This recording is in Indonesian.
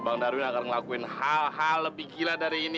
bang darwin agar ngelakuin hal hal lebih gila dari ini